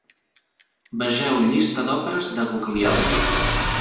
Vegeu Llista d'òperes de Guglielmi.